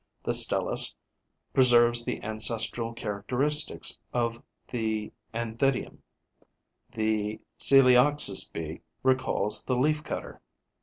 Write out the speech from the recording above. The Stelis preserves the ancestral characteristics of the Anthidium; the Coelioxys bee recalls the Leaf cutter.